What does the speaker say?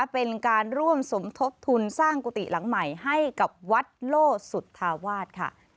เป็นการร่วมสมทบทุนสร้างกุฏิหลังใหม่ให้กับวัดโลสุธาวาสค่ะ